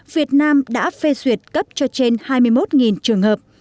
việt nam đã phê duyệt cấp cho trên hai mươi một trường hợp